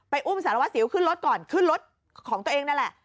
อุ้มสารวัสสิวขึ้นรถก่อนขึ้นรถของตัวเองนั่นแหละ